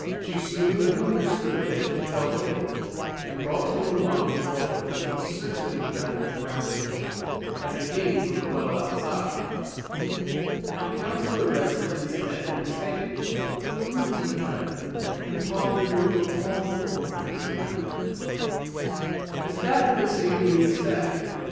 She soon understood that he felt ill, and brought him a mug of water which was certainly rather brackish, as it came from the well outside. The Councillor rested his head on his hand, drew a deep breath, and pondered over all the wonders around him. " Is that this evening's Day?"